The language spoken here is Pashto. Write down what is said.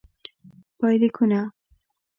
پایلیکونه: